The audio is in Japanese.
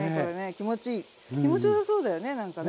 気持ちよさそうだよねなんかね。